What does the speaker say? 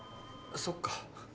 そっか。